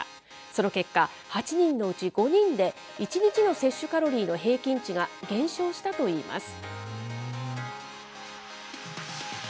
その結果、８人のうち５人で１日の摂取カロリーの平均値が減少したといいます。